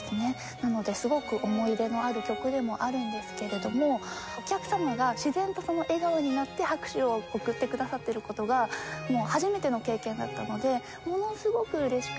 なのですごく思い入れのある曲でもあるんですけれどもお客様が自然と笑顔になって拍手を送ってくださってる事が初めての経験だったのでものすごく嬉しくて。